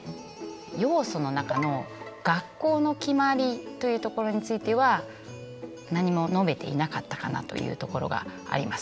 要素の中の「学校の決まり」というところについては何も述べていなかったかなというところがあります。